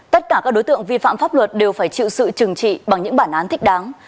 tất cả các đối tượng vi phạm pháp luật đều phải chịu sự trừng trị bằng những bản án thích đáng